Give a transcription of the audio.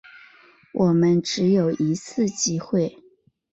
我们只有一次机会